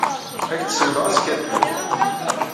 Ad ak-d-siwleɣ azekka deg yiḍ.